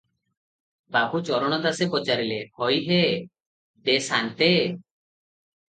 ବାବୁ ଚରଣ ଦାସେ ପଚାରିଲେ, "ହୋଇ ହେ ଦେ ସାନ୍ତେ ।